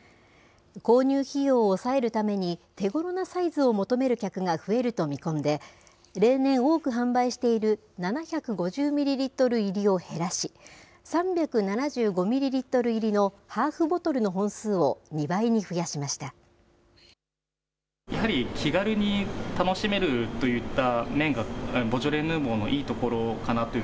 購入費用を抑えるために、手ごろなサイズを求める客が増えると見込んで、例年、多く販売している７５０ミリリットル入りを減らし、３７５ミリリットル入りのハーフボトルの本数を２倍に増やしました。